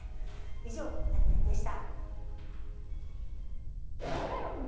以上、ナゼナニっ？でした。